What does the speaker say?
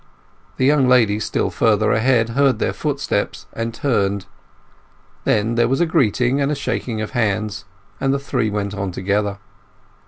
The young lady still further ahead heard their footsteps and turned. Then there was a greeting and a shaking of hands, and the three went on together.